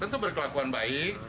tentu berkelakuan baik